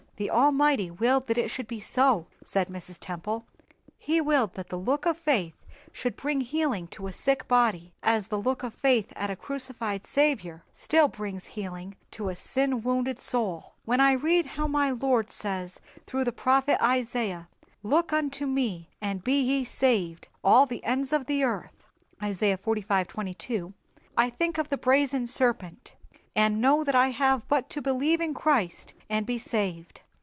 "The Almighty willed that it should be so," said Mrs. Temple; "He willed that the look of faith should bring healing to a sick body, as the look of faith at a crucified Saviour still brings healing to the sin wounded soul. When I read how my Lord says, through the prophet Isaiah, 'Look unto Me, and be ye saved, all the ends of the earth' (Isaiah xlv. 22), I think of the brazen serpent, and know that I have but to believe in Christ and be saved."